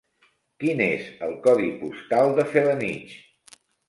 Quin és el codi postal de Felanitx?